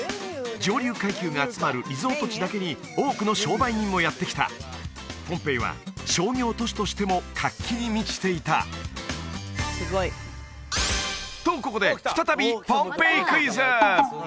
上流階級が集まるリゾート地だけに多くの商売人もやって来たポンペイは商業都市としても活気に満ちていたとここで再びポンペイクイズ！